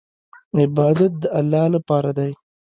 عبادت د الله لپاره دی.